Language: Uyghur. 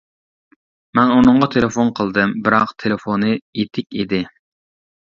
مەن ئۇنىڭغا تېلېفون قىلدىم، بىراق تېلېفونى ئېتىك ئىدى.